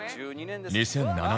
２００７年